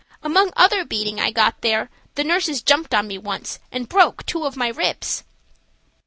Among other beating I got there, the nurses jumped on me once and broke two of my ribs.